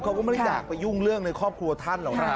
เขาก็ไม่ได้อยากไปยุ่งเรื่องในครอบครัวท่านหรอกนะ